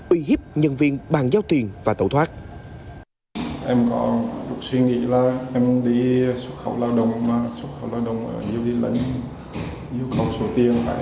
uy hiếp nhân viên bàn giao tiền và tẩu thoát